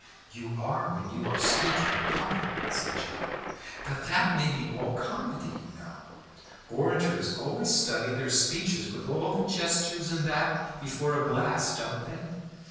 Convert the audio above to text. "You are when you are speaking in public," said Joe. "But that may be all comedy, you know. Orators always study their speeches, with all the gestures and that, before a glass, don't they?"